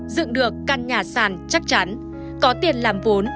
dựng được căn nhà sàn chắc chắn có tiền làm vốn